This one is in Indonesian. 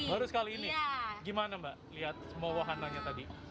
baru sekali ini gimana mbak lihat semua wahananya tadi